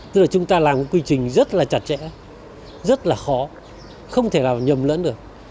tức là chúng ta làm một quy trình rất là chặt chẽ rất là khó không thể nào nhầm lẫn được